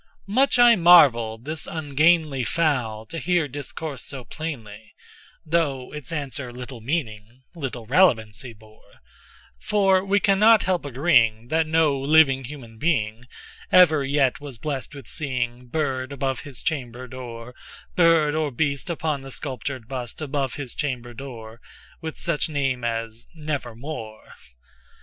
'"Much I marveled this ungainly fowl to hear discourse so plainly, Though its answer little meaning—little relevancy bore; For we cannot help agreeing that no living human beingEver yet was blessed with seeing bird above his chamber door—Bird or beast upon the sculptured bust above his chamber door, With such name as 'Nevermore.